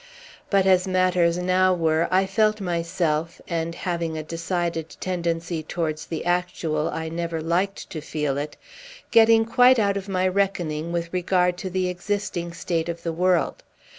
But, as matters now were, I felt myself (and, having a decided tendency towards the actual, I never liked to feel it) getting quite out of my reckoning, with regard to the existing state of the world.